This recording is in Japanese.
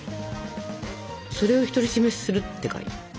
それを独り占めするってかい？